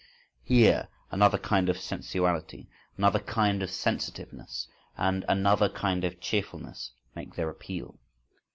Here another kind of sensuality, another kind of sensitiveness and another kind of cheerfulness make their appeal.